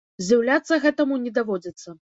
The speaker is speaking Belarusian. Здзіўляцца гэтаму не даводзіцца.